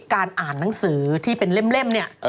อ่านหนังสือที่เป็นเล่มเนี่ย